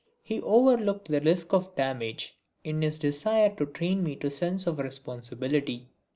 He overlooked the risk of damage in his desire to train me to a sense of responsibility.